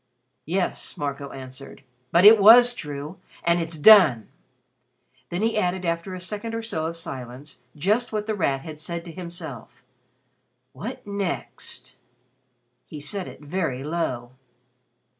"Yes," Marco answered, "but it was true. And it's done." Then he added after a second or so of silence, just what The Rat had said to himself, "What next?" He said it very low.